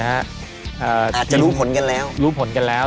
อาจจะรู้ผลกันแล้ว